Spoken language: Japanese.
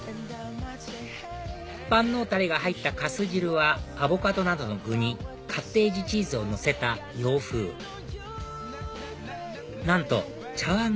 万能たれが入った粕汁はアボカドなどの具にカッテージチーズをのせた洋風なんと茶わん